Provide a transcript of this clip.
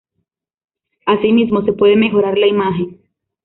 Asimismo, se puede mejorar la imagen.